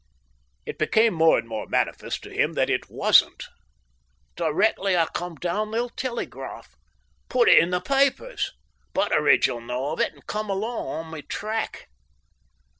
It became more and more manifest to him that it wasn't. "Directly I come down they'll telegraph put it in the papers. Butteridge'll know of it and come along on my track."